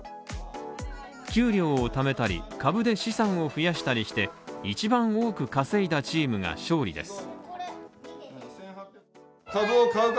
給料を貯めたり、株で資産を増やしたりして一番多く稼いだチームが勝利です。